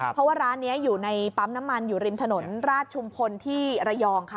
เพราะว่าร้านนี้อยู่ในปั๊มน้ำมันอยู่ริมถนนราชชุมพลที่ระยองค่ะ